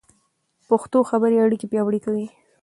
پښتو خبرې اړیکې پیاوړې کوي.